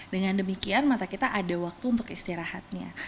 dengan demikian mata kita ada waktu untuk istirahatnya